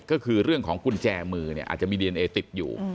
ก็คือเรื่องของกุญแจมือเนี่ยอาจจะมีดีเอนเอติดอยู่